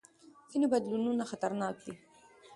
ځینې بدلونونه خطرناک دي.